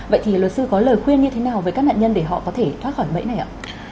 vậy thì luật sư có lời khuyên như thế nào với các nạn nhân để họ có thể thoát khỏi bẫy này ạ